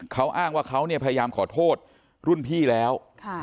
เขาอ้างว่าเขาเนี่ยพยายามขอโทษรุ่นพี่แล้ว